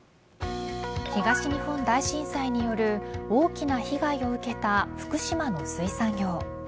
東日本大震災による大きな被害を受けた福島の水産業。